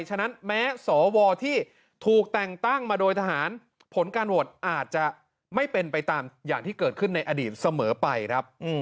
ฉะนั้นแม้สวที่ถูกแต่งตั้งมาโดยทหารผลการโหวตอาจจะไม่เป็นไปตามอย่างที่เกิดขึ้นในอดีตเสมอไปครับ